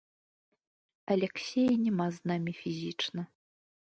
Аляксея няма з намі фізічна.